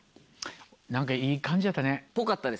何かいい感じやったね。